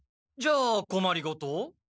じゃあこまりごと？